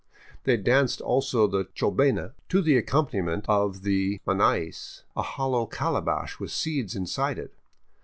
They danced also the chohena, to the accompaniment of the manais, a hollow cala bash with seeds inside it.